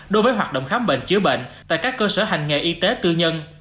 đối với hoạt động khám bệnh chữa bệnh tại các cơ sở hành nghề y tế tư nhân